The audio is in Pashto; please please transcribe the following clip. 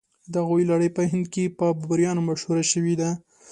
د هغوی لړۍ په هند کې په بابریانو مشهوره شوې ده.